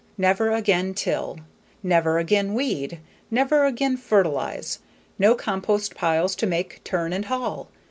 Never again till. Never again weed. Never again fertilize. No compost piles to make, turn, and haul.